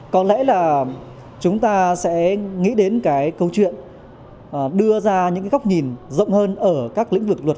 có lẽ là chúng ta sẽ nghĩ đến cái câu chuyện đưa ra những góc nhìn rộng hơn ở các lĩnh vực luật